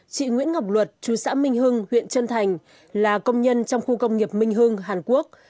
chị nguyễn ngọc luật chú xã minh hưng huyện trân thành là công nhân trong khu công nghiệp minh hưng hàn quốc